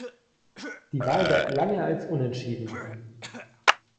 Die Wahl galt lange als unentschieden.